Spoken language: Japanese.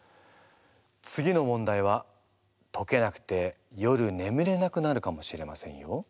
次の問題は解けなくて夜ねむれなくなるかもしれませんよ。